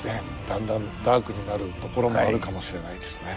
だんだんダークになるところもあるかもしれないですね。